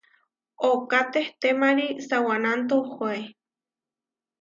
Ooká tehtémari sa wananto oʼhóe.